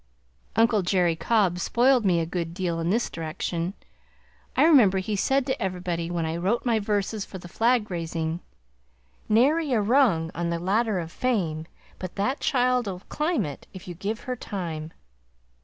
Uncle Jerry Cobb spoiled me a good deal in this direction. I remember he said to everybody when I wrote my verses for the flag raising: "Nary rung on the ladder o' fame but that child'll climb if you give her time!"